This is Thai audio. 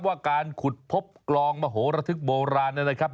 ว่าการขุดพบกลองมโหระทึกโบราณนะครับ